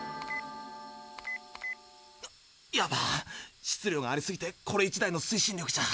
ヤバ質量がありすぎてこれ１台の推進力じゃ。